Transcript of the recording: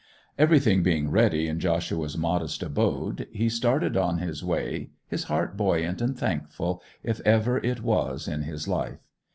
Everything being ready in Joshua's modest abode he started on his way, his heart buoyant and thankful, if ever it was in his life.